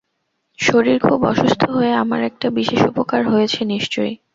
শরীর খুব অসুস্থ হয়ে আমার একটা বিশেষ উপকার হয়েছে, নিশ্চয়।